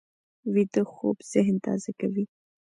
ویده خوب ذهن تازه کوي